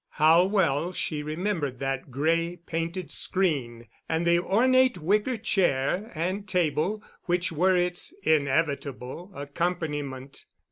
How well she remembered that gray painted screen and the ornate wicker chair and table which were its inevitable accompaniment.